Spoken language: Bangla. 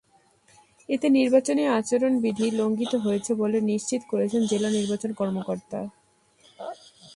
এতে নির্বাচনী আচরণবিধি লঙ্ঘিত হয়েছে বলে নিশ্চিত করেছেন জেলা নির্বাচন কর্মকর্তা।